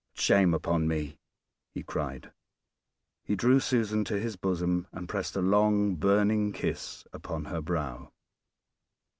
"Shame upon me!" he cried; he drew Susan to his bosom, and pressed a long, burning kiss upon her brow.